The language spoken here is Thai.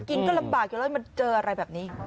กินก็ลำบากอยู่แล้วมันเจออะไรแบบนี้